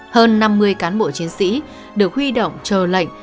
hơn năm mươi cán bộ chiến sĩ được huy động chờ lệnh